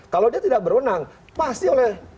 kalau dia tidak berwenang pasti oleh